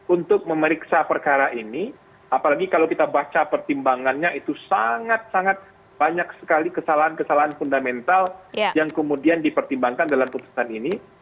untuk memeriksa perkara ini apalagi kalau kita baca pertimbangannya itu sangat sangat banyak sekali kesalahan kesalahan fundamental yang kemudian dipertimbangkan dalam putusan ini